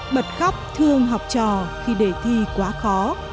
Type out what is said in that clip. bật khóc thương học trò khi đề thi quá khó